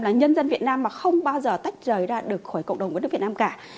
là nhân dân việt nam mà không bao giờ tách rời ra được khỏi cộng đồng với nước việt nam cả